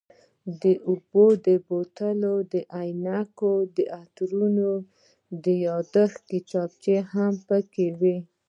د اوبو بوتل، عینکې، عطرونه او یادښت کتابچې هم پکې وې.